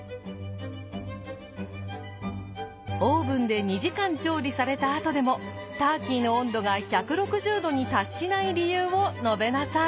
オーブンで２時間調理されたあとでもターキーの温度が１６０℃に達しない理由を述べなさい。